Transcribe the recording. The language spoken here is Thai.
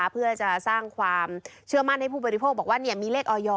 เพื่อจะสร้างความเชื่อมั่นให้ผู้บริโภคบอกว่ามีเลขออย